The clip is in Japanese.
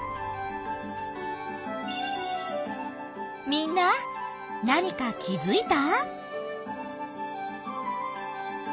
みんな何か気づいた？